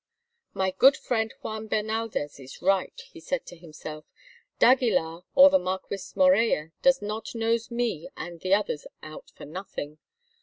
"My good friend Juan Bernaldez is right," he said to himself; "d'Aguilar, or the Marquis Morella, does not nose me and the others out for nothing.